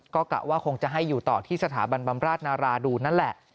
ก็กะว่าคงจะให้อยู่ต่อที่สถาบันบำราชนาราดูนนั่นแหละ